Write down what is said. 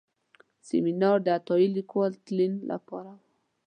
سیمینار د عطایي لیکوال تلین لپاره و.